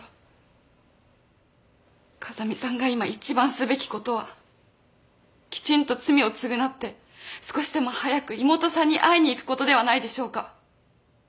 風見さんが今一番すべきことはきちんと罪を償って少しでも早く妹さんに会いに行くことではないでしょうか。